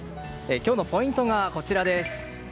今日のポイントがこちらです。